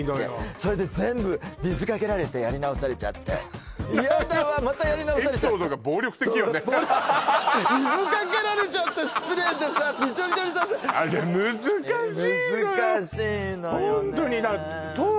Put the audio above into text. それで全部水かけられてやり直されちゃって嫌だわまたやり直されちゃって水かけられちゃってスプレーでさビチョビチョにあれ難しいのよ